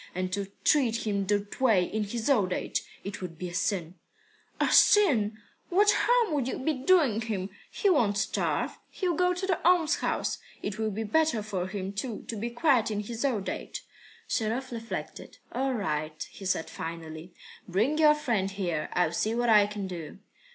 And to treat him that way in his old age it would be a sin." "A sin! Why, what harm would you be doing him? He won't starve. He'll go to the almshouse. It will be better for him, too, to be quiet in his old age." Sharov reflected. "All right," he said finally. "Bring your friend here. I'll see what I can do."